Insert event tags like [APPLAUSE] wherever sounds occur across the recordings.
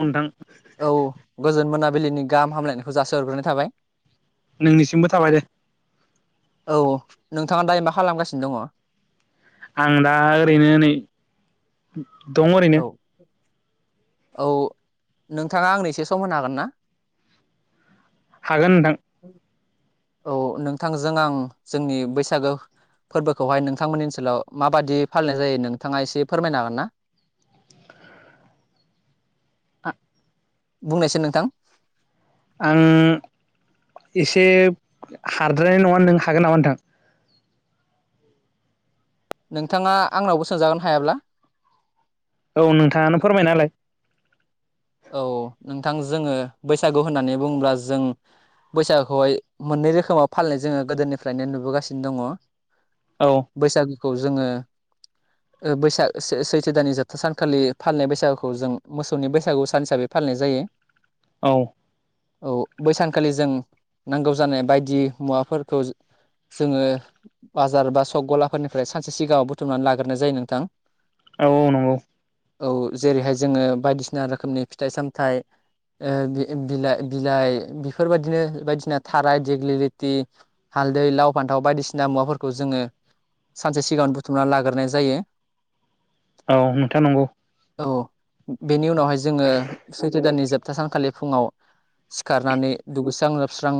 नोंथां औ गोजोन मोनाबिलिनि गाहाम हामलायनायखौ जासिहरग्रोनाय थाबाय। नोंनिसिमबो थाबाय दे। औ नोंथाङा दायो मा खालामगासिनो दङ? आं दा ओरैनो नै दं ओरैनो। औ औ नोंथाङा आंनो एसे सम होनो हागोन ना? हागोन नोंथां औ नोंथांजों आं जोंनि बैसागो फोरबोखौहाय नोंथांमोननि ओनसोलाव माबायदि फालिनाय जायो नोंथाङा एसे फोरमायनो हागोन ना? [INAUDIBLE] आ बुंनायसै नोंथां आं एसे हारद्रायनाय नङा नों हागोन नामा नोंथां? नोंथाङा आंनावबो सोंजागोन हायाब्ला औ नोंथाङानो फोरमायना होलाय औ नोंथां जोङो बैसागु होननानै बुंङोब्ला जों बैसागुखौहाय मोननै रोखोमाव फालिनाय जोङो गोदोनिफ्रायनो नुबोगासिनो दङ। औ बैसागोखौ जोङो बैसाग से सैथि दाननि जोबथा सानखालि फालिनाय बैसागुखौ जों मोसौनि बैसागु सान हिसाबै फालिनाय जायो। औ औ बै सानखालि जों नांगौ जानाय बायदि मुवाफोरखौ जोङो बाजार बा सक गलाफोरनिफ्राय सानसे सिगाङाव बुथुमनानै लाग्रोनाय जायो नोंथां। औ नंगौ औ जेरैहाय जोङो बायदिसिना रोखोमनि फिथाइ सामथाइ ओ बि बिलाइ बिलाइ बेफोरबायदिनो बायदिसिना थाराय देग्लिलिटि हालदै लाव फान्थाव बायदिसिना मुवाफोरखौ जोङो सानसे सिगां बुथुमना लाग्रोनाय जायो। औ नोंथां नंगौ औ बेनि उनावहाय जोङो सैथो दाननि जोबथा सानखालि फुङाव सिखारनानै दुगैस्रां लोब स्रां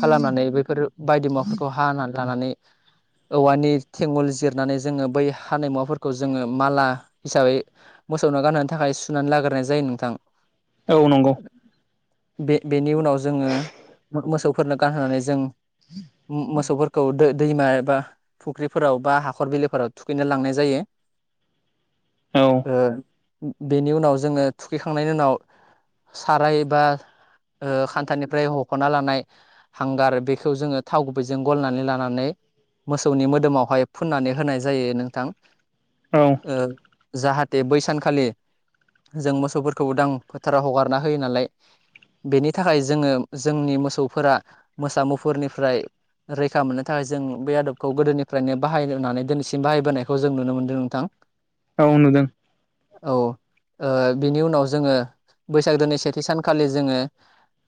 खालामनानै बैफोर बायदि मुवाफोरखौ हानानै लानानै औवानि थेंगुल जिरनानै जोङो बै हानाय मुवाफोरखौ जोङो माला हिसाबै मो सौनो गानहो थाखाय सुनानै लाग्रोनाय जायो नोंथां। औ नंगौ। बे बेनि उनाव जोङो मो मोसौफोरनो गानहोनानै जों मो मोसौफोर - खौ दै दैमा एबा फुख्रिफोराव बा हाखर बिलोफोराव थुखैनो लांनाय जायो। औ ओ बेनि उनाव जोङो थुखैखांनायनि उनाव साराय एबा ओ खानथानिफ्राय हख'ना लानाय हांगार बेखौ जोङो थाव गुबैजों गलनानै लानानै मोसौनि मोदोमावहाय फुननानै होनाय जायो नोंथां। औ ओ जाहाथे बैसानखालि जों मोसौफोर खौ उदां फोथाराव हगारना होयो नालाय। बेनि थाखाय जोङो जोंनि मोसौफोरा मोसा मुफुरनिफ्राय रैखा मोननो थाखाय जों बे आदबखौ गोदोनिफ्रायनो बाहायनानै दिनैसिम बाहायबोनायखौ जों नुनो मोनदों नोंथां। औ नुदों। औ बेनि ओ उनाव जोङो बैसागो दाननि सेथि सानखालि जोङो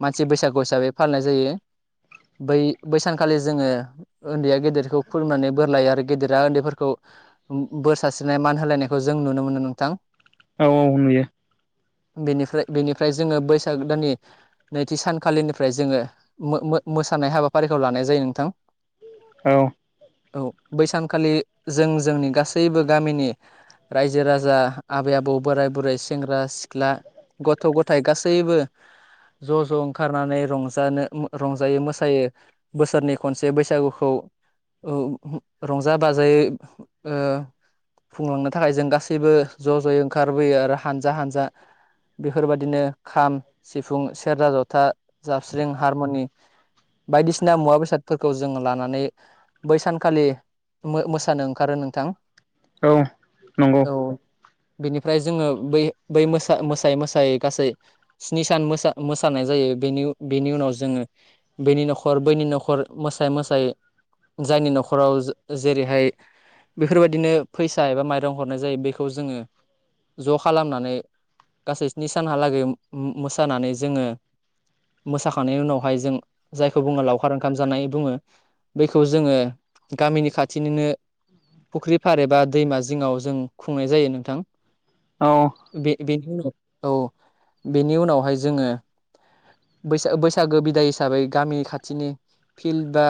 मानसि बैसागु हिसाबै फालिनाय जायो। बै बैसानखालि जोङो ओन्दैया गेदेरखौ खुलुमनानै बोर लायो आरो गेदेरा ओन्दैफोरखौ बोर सारस्रिनाय मान होलायनायखौ जों नुनो मोनो नोंथां। औ औ नुयो। बेनिफ्राय बेनिफ्राय जोङो बैसाग दाननि नैथि सानखालिनिफ्राय जोङो मोसानाय हाबाफारिखौ लानाय जायो नोंथां। औ। औ बैसानखालि जों जोंनि गासैबो गामिनि रायजो राजा आबै आबौ बोराय बुरै सेंग्रा सिख ख्ला गथ' गथाय गासैबो ज' ज' ओंखारनानै रंजानो रंजायो मोसायो बोसोरनि खनसे बैसागुखौ। रंजा बाजायै ओ खुंलांनो थाखाय जों गासैबो ज' ज'यै ओंखारबोयो आरो हानजा हानजा बेफोरबायादिनो खाम, सिफुं, सेरजा, जथा, जाबस्रिं, हारमुनि बायदिसिना मुवा बेसादफोरखौ जोङो लानानै बै सानखालि मो-मोसानो ओंखारो नोंथां। औ नंगौ। बिनिफ्राय जोङो बै बै मोसा मोसायै मोसायै गासै स्नि सान मोसा मोसानाय जायो बेनि बेनि उनाव जोङो बेनि न'खर बैनि न'खर मोसायै मोसायै जायनि न'खराव जेरैहाय बेफोरबायदिनो फैसा एबा माइरं हरनाय जायो बेखौ जोङो ज' खालामनानै गासै स्नि सानहालागै मोसानानै जोङो मोसाखांनायनि उनावहाय जों जायखौ बुङो लावखार ओंखाम जानाय बुङो। बैखौ जोङो गामिनि खाथिनिनो फुख्रि फार एबा दैमा जिङाव जों खुंनाय जायो नोंथां। औ। बे बेनि उनाव औ बेनि उनावहाय जोङो बैसा बैसागो बिदाय हिसाबै गामि खाथिनि फिल्ड बा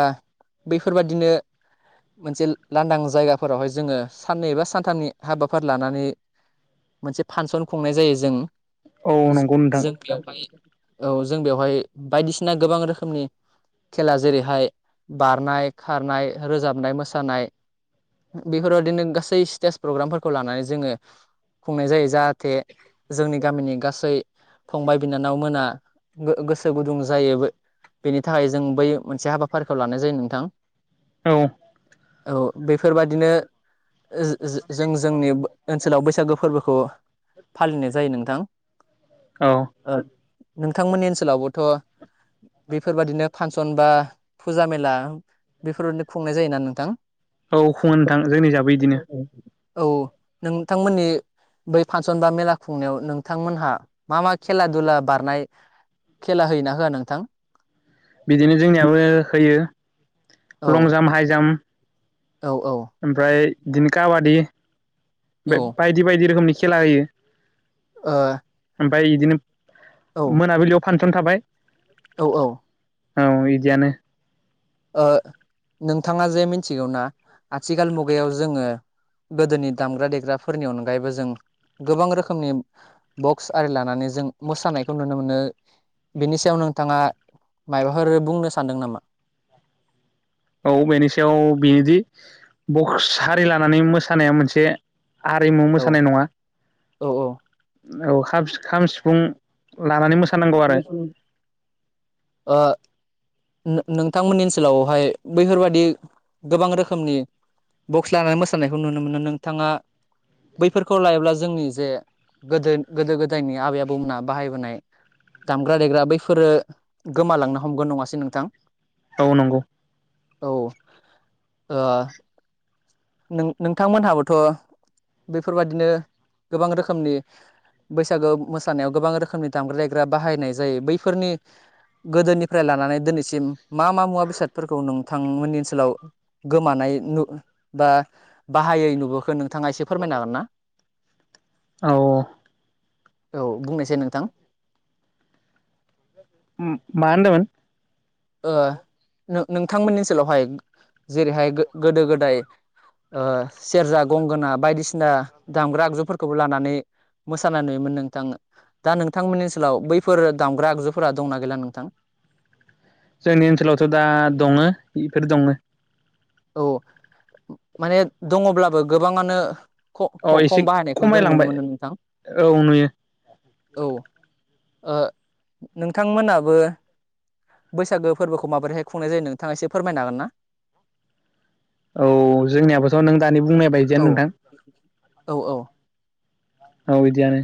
बैफोरबादिनो मोनसे लांदां जायगाफोरावहाय जोङो साननै एबा सानथामनि हाबाफारि लानानै मोनसे फानसन खुंनाय जायो औ जों नंगौ नोंथां जों बेयावहाय औ जों बेवहाय बायदिसिना गोबां रोखोमनि खेला जेरैहाय बारनाय, खारनाय, रोजाबनाय, मोसानाय। बेफोरबायदिनो गासै स्टेज प्रग्रामफोरखौ लानानै जोङो खुंनाय जायो। जाहाथे जोंनि गामिनि गासै फंबाय बिनानाव मोना गो-गोसो गुदुं जायो। बेनि थाखाय जों बै मोनसे हाबाफारिखौ लानाय जायो नोंथां। औ। औ बेफोरबादिनो जो जो जोंनि ओनसोलाव बैसागो फोरबोखौ फालिनाय जायो नोंथां औ ओ नोंथांमोननि ओनसोलावबोथ' बेफोरबादिनो फांसन बा फुजा मेला बेफोरनो खुंनाय जायोना नोंथां‌? औ खुङो नोंथां जोंनिजाबो इदिनो। औ नोंथांमोननि बै फांसन बा मेला खुंनायाव नोंथांमोनहा मा मा खेला दुला बारनाय खेला होयोना होआ नोंथां? बिदिनो जोंनियाबो होयो। औ लं जाम, हाइ जाम औ औ ओमफ्राय बिदिनो काबादि ओ बे बायदि बायदि रोखोमनि खेला होयो। ओ ओमफ्राय इदिनो मोनाबिलियाव फांसन थाबाय औ औ औ इदियानो। ओ नोंथाङा जे मिथिगौना आथिखाल मुगायाव जोङो गोदोनि दामग्रा-देग्राफोरनि अनगायैबो जों गोबां रोखोमनि बक्स आरि लानानै जों मोसानायखौ नुनो मोनो। बेनि सायाव नोंथाङा माइबाफोर बुंनो सानदों नामा? औ बेनि सायाव बेनोदि बक्स हारि लानानै मोसानाया मोनसे हारिमु औ मोसानाय नङा औ औ औ खाम सि सिफुं लानानै मोसानांगौ आरो। नो नोंथांमोननि ओनसोलावहाय बैफोरबादि गोबां रोखोमनि बक्स लानानै मोसानायखौ नुनो मोनो। ‌ नोंथाङा बैफोरखौ लायोब्ला जोंनि जे गोदो गोदो-गोदायनि आबै-आबौमोनहा बाहायबोनाय दामग्रा-देग्रा बैफोरो गोमालांनो हमगोन नङासै नोंथां? औ नंगौ। औ ओ नों नोंथांमोनहाबोथ' बेफोरबादिनो गोबां रोखोमनि बैसागो मोसानायाव गोबां रोखोमनि दामग्रा-देग्रा बाहायनाय जायो बैफोरनि गोदोनिफ्राय लानानै दिनैसिम मा मा मुवा बेसादफोरखौ नोंथांमोननि ओनसोलाव गोमानाय नु बा बाहायै नुबोखो नोंथाङा एसे फोरमायनो हागोन ना? औ औ औ बुंनायसाय नोंथां उम मा होनदोंमोन? ओ नो नोंथांमोननि ओनसोलावहाय जेरैहाय गो गोदो-गोदाय ओ सेरजा, गंगोना बायदिसिना दामग्रा आगजुफोरखौबो लानानै मोसानाय नुयोमोन नोंथां। दा नोंथांमोननि ओनसोलाव बैफोर दामग्रा आगजुफोरा दंना गैला नोंथां? [INAUDIBLE] जोंनि ओनसोलावथ' दा दङो इफोर दङो। औ माने दङब्लाबो गोबाङानो ख अ ख एसे खम बाहायनायखौ जों नुनो खमायलांबाय मोनो नोंथां। औ नुयो औ ओ नोंथां मोनाबो बैसागो फोरबोखौ माबोरैहाय खुंनाय जायो नोंथाङा एसे फोरमायनो हागोनना? औ जोंनियाबोथ' नों दानि बुंनाय औ बायदियानो नोंथां। औ औ औ बिदियानो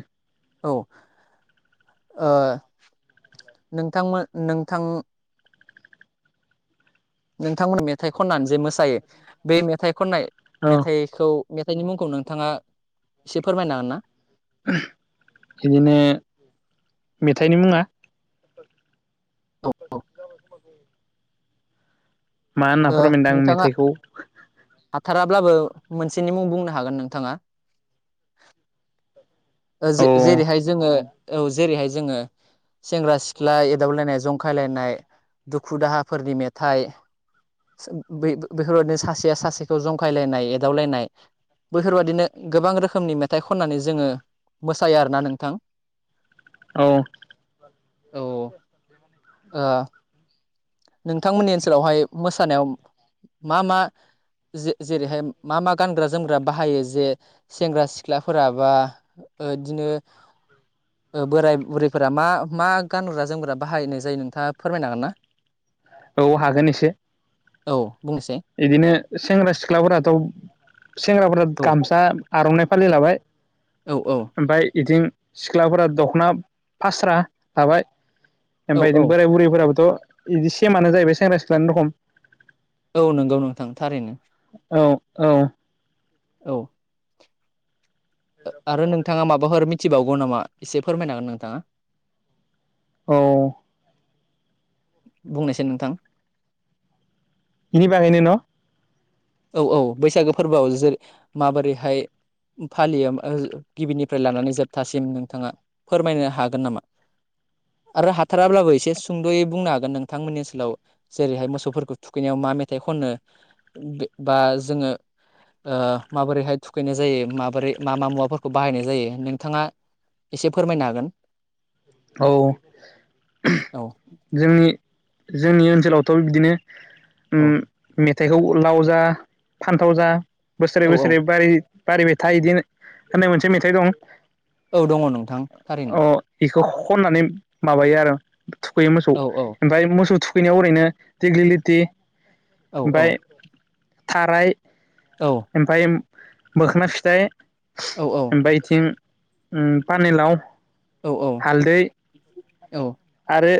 औ ओ नोंथांमोन नोंथां नोंथांमोन मेथाइ खननानै जे मोसायो बे मेथाइ खननाय औ मेथाइखौ मेथाइनि मुंखौ नोंथाङा एसे फोरमायनो हागोन ना? बिदिनो मेथाइनि मुङा [UNINTELLIGIBLE] मा होनना ओ फोरमायनोदां आं नोंथाङा मेथाइखौ हाथाराब्लाबो मोनसेनि मुं बुंनो हागोन नोंथाङा। औ जे-जेरैहाय जोङो औ जेरैहाय जोङो सेंग्रा सिख्ला एदावलायनाय जं खायलायनाय दुखु दाहाफोरनि मेथाइ बै बेफोरबादिनो सासेया सासेखौ जंखायलायनाय एदावलायनाय बैफोरबादिनो गोबां रोखोमनि मेथाइ खननानै जोङो मोसायो आरोना नोंथां औ औ औ आ नोंथांमोननि ओनसोलावहाय मोसानायाव मा मा जे जेरैहाय मा मा गानग्रा जोमग्रा बाहायो जे सेंग्रा सिख्लाफोरा बा ओ दिनो बोराय बुरैफोरा मा मा गानग्रा जोमग्रा बाहायनाय जायो नोंथाङा फोरमायनो हागोन ना? औ हागोन एसे औ बुंनोसै इदिनो सेंग्रा सिख्लाफोराथ' सेंग्राफोरा औ गामसा आर'नाइ फालि लाबाय औ औ ओमफाय इथिं सिख्लाफोरा दख'ना फास्रा थाबाय औ औ ओमफाय बोराय बुरैफोराबोथ' इदि सेमानो जाहैबाय सेंग्रा सिख्लानि रखम। औ नंगौ नोंथां थारैनो। औ औ औ आरो नोंथाङा माबाफोर मिथिबावगौ नामा एसे फोरमायनो हागोन नोंथाङा? औ बुंनायसाय नोंथां बिनि बागैनो न' औ औ बैसागो फोरबोआव जो माबोरैहाय फालियो ओ गिबिनिफ्राय लानानै जोबथासिम नोंथाङा फोरमायनो हागोन नामा? आरो हाथाराब्लाबो एसे सुंद'यै बुंनो हागोन नोंथांमोननि ओनसोलाव जेरैहाय मोसौफोरखौ थुखैनायाव मा मेथाइ खनो बे बा जोङो ओ माबोरैहाय थुखैनाय जायो माबोरै मा मा मुवाफोरखौ बाहायनाय जायो नोंथाङा एसे फोरमायनो हागोन औ औ जोंनि जोंनि ओनसोलावथ' बिदिनो उम औ मेथाइखौ लाव जा फान्थाव जा बोसोरै औ औ बोसोरै बारि बारिबाय थायो इदि होननाय मोनसे मेथाइ दं। औ दङ नोंथां थारैनो खौ खननानै माबायो आरो थुखैयो मोसौ औ औ ओमफाय मोसौ थु खैनायाव ओरैनो दिग्लिलिटि औ औ ओमफाय थाराय औ ओमफाय मोखोना फिथाइ औ ओमफाय इथिं उम पानिलाव हालदै औ आरो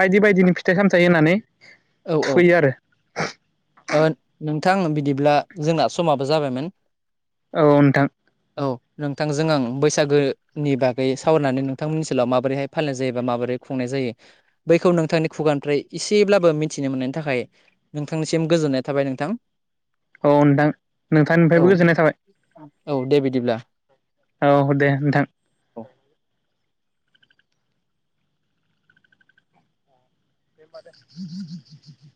बायदि बायदिनि फिथाइ-सामथाइ होनानै औ औ थुखैयो आरो ओ नोंथां बिदिब्ला जोंना समाबो जाबायमोन औ नोंथां औ नोंथांजों आं बैसागोनि बागै सावरायनानै नोंथांमोननि ओनसोलाव माबोरैहाय फालिनाय जायो बा माबोरै खुंनाय जायो बैखौ नोंथांनि खुगानिफ्राय एसेब्लाबो मिथिनो मोननायनि थाखाय नोंथां सिम गोजोननाय थाबाय नोंथां। औ नोंथां औ नोंथांनिफायबो गोजोननाय औ दे बिदिब्ला थाबाय। औ दे नोंथां। औ दे होनबा दे।